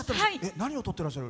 何をとってらっしゃる？